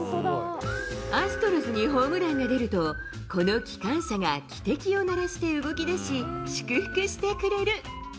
アストロズにホームランが出ると、この機関車が汽笛を鳴らして動きだし、祝福してくれる。